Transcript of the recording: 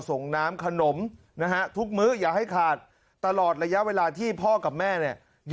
ส่งน้ำขนมนะฮะทุกมื้ออย่าให้ขาดตลอดระยะเวลาที่พ่อกับแม่เนี่ย